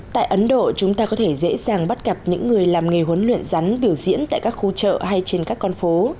tại ấn độ chúng ta có thể dễ dàng bắt gặp những người làm nghề huấn luyện rắn biểu diễn tại các khu chợ hay trên các con phố